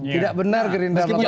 tidak benar gerindra membiarkan